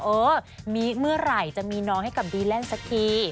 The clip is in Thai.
เออมีเมื่อไหร่จะมีน้องให้กับดีแลนด์สักที